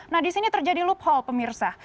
nah disini terjadi loophole pemirsa